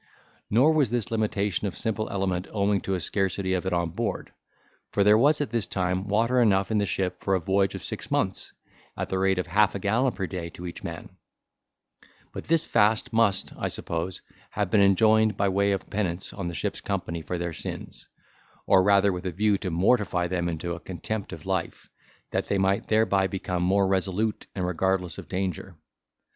Nor was this limitation of simple element owing to a scarcity of it on board, for there was at this time water enough in the ship for a voyage of six months, at the rate of half a gallon per day to each man: but this fast must, I suppose, have been enjoined by way of penance on the ship's company for their sins; or rather with a view to mortify them into a contempt of life, that they might thereby become more resolute and regardless of danger.